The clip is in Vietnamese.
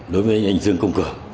đối với anh dương công cường